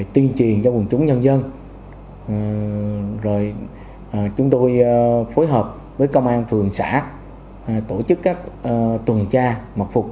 tiền cho quần chúng nhân dân chúng tôi phối hợp với công an phường xã tổ chức các tuần tra mặc phục